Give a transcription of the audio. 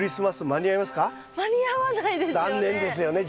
間に合わないですよね。